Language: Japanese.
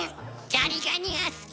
ザリガニが好き！